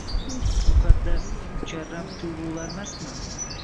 Muqaddas, mukarram tuyg’ularmasmi?!